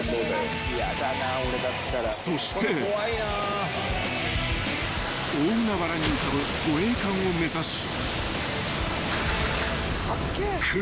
［そして大海原に浮かぶ護衛艦を目指し］